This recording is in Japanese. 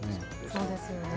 そうですよね。